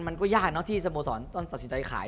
มันก็ยากเนอะที่สโมสรต้องตัดสินใจขาย